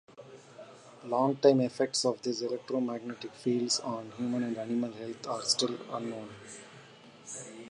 Long-time effects of these electromagnetic fields on human and animal health are still unknown.